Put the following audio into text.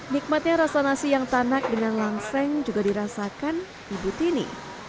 nikmatnya rasa nasi yang tanak dengan langseng juga dirasakan ibu tini